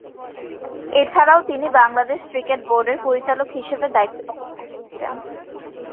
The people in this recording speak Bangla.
এছাড়াও তিনি বাংলাদেশ ক্রিকেট বোর্ডের পরিচালক হিসেবে দায়িত্ব পালন করেছিলেন।